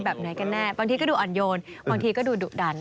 แบบไหนกันแน่บางทีก็ดูอ่อนโยนบางทีก็ดูดุดัน